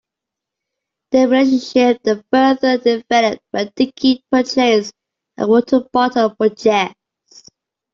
Their relationship then further developed when Dicky purchased a water bottle for Jess.